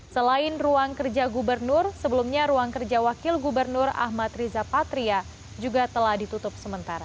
selain ruang kerja gubernur sebelumnya ruang kerja wakil gubernur ahmad riza patria juga telah ditutup sementara